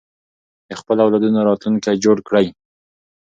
د خپلو اولادونو راتلونکی جوړ کړئ.